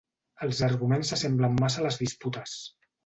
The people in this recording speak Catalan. Els arguments s'assemblen massa a les disputes.